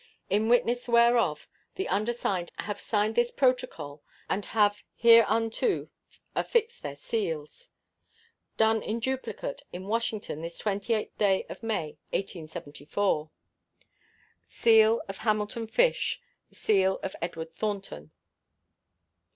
In witness whereof the undersigned have signed this protocol and have hereunto affixed their seals. Done in duplicate at Washington, this 28th day of May, 1874. [SEAL.] HAMILTON FISH. [SEAL.] EDWD. THORNTON.